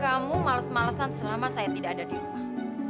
kamu males malesan selama saya tidak ada di rumah